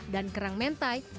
dan kerang mentai